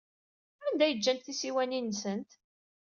Anda ay ǧǧant tisiwanin-nsent?